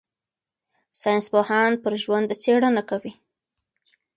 ساینسپوهان پر ژوند څېړنه کوي.